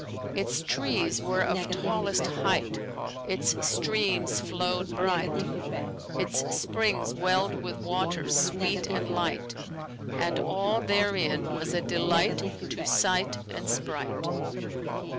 Its trees were of tallest height; its streams flowed bright; its springs welled with waters sweet and light; and all therein was a delight to sight and sprite.